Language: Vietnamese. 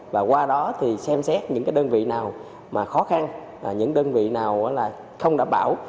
và qua đó thì xem xét những đơn vị nào mà khó khăn những đơn vị nào là không đảm bảo